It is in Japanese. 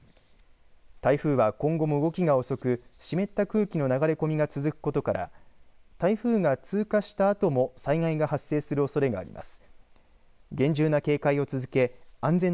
台風は今後も動きが遅く湿った空気の流れ込みが続くことから台風が通過したあとも災害が発生するおそれがあります。